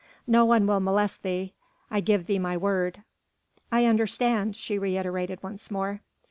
No one will molest thee, I give thee my word." "I understand!" she reiterated once more.